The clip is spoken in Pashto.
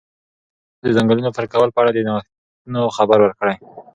ازادي راډیو د د ځنګلونو پرېکول په اړه د نوښتونو خبر ورکړی.